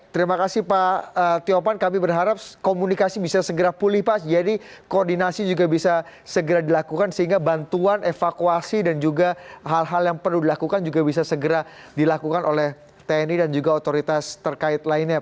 terima kasih pak tiopan kami berharap komunikasi bisa segera pulih pak jadi koordinasi juga bisa segera dilakukan sehingga bantuan evakuasi dan juga hal hal yang perlu dilakukan juga bisa segera dilakukan oleh tni dan juga otoritas terkait lainnya